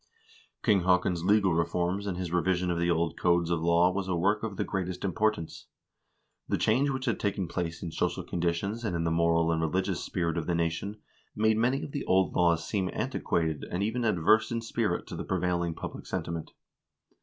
King Haakon's legal reforms and his revision of the old codes of law was a work of the greatest importance. The change which had taken place in social conditions and in the moral and religious spirit of the nation made many of the old laws seem antiquated and even adverse in spirit to the prevailing public sentiment.